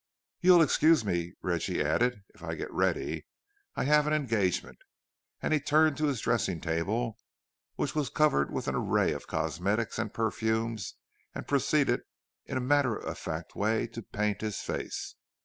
"You'll excuse me," Reggie added, "if I get ready. I have an engagement." And he turned to his dressing table, which was covered with an array of cosmetics and perfumes, and proceeded, in a matter of fact way, to paint his face.